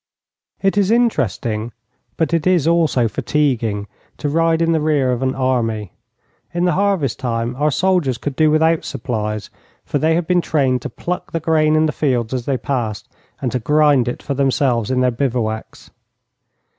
It is interesting, but it is also fatiguing, to ride in the rear of an army. In the harvest time our soldiers could do without supplies, for they had been trained to pluck the grain in the fields as they passed, and to grind it for themselves in their bivouacs.